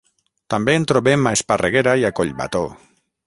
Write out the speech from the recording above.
També en trobem a Esparreguera i a Collbató.